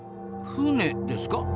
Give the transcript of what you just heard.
船ですか？